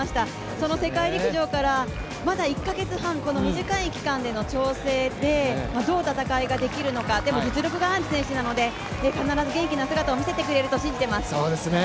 その世界陸上からまだ１か月半、この短い期間での調整でどういう戦いができるのかでも、実力がある選手なので必ず元気な姿を見せてくれると信じています。